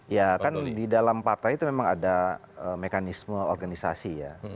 ya kan di dalam partai itu memang ada mekanisme organisasi ya